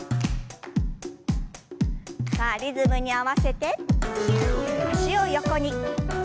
さあリズムに合わせて脚を横に。